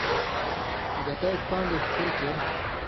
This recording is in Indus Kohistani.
گتہ اېک پان٘د اوک تھی چے